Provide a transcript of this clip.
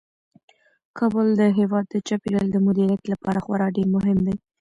کابل د هیواد د چاپیریال د مدیریت لپاره خورا ډیر مهم دی.